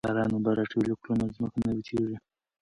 که باران اوبه راټولې کړو نو ځمکه نه وچیږي.